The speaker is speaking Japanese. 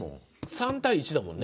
３対１だもんね。